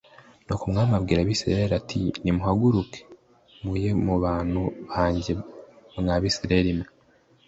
Nuko umwami abwira abisiraeli ati : «Nimuhaguruke muye mu bantu banjye mwa Bisirayeli mwe,